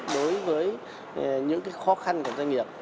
đối với những cái khó khăn của doanh nghiệp